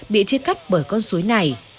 bị chia cắt bởi con suối này